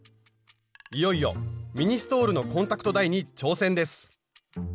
いよいよミニストールのコンタクトダイに挑戦です！